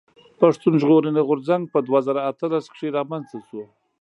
پښتون ژغورني غورځنګ په دوه زره اتلس کښي رامنځته شو.